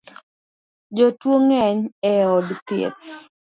Jotuo ng’eny e od thieth